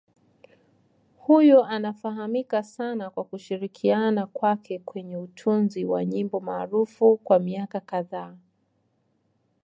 Huyu anafahamika sana kwa kushirikiana kwake kwenye utunzi wa nyimbo maarufu kwa miaka kadhaa.